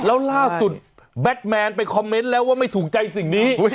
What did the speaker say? แล้วล่าสุดแบทแมนไปคอมเมนต์แล้วว่าไม่ถูกใจสิ่งนี้